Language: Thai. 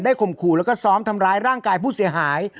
ข่มขู่แล้วก็ซ้อมทำร้ายร่างกายผู้เสียหาย